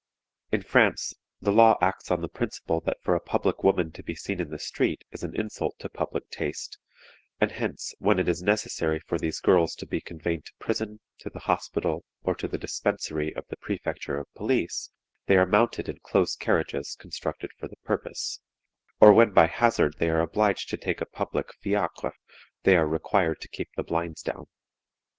In France the law acts on the principle that for a public woman to be seen in the street is an insult to public taste, and hence, when it is necessary for these girls to be conveyed to prison, to the Hospital, or to the dispensary of the Prefecture of Police, they are mounted in close carriages constructed for the purpose; or when by hazard they are obliged to take a public fiacre they are required to keep the blinds down.